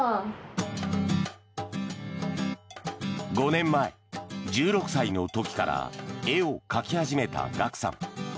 ５年前、１６歳の時から絵を描き始めたＧＡＫＵさん。